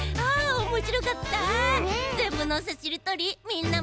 おもしろかったッス！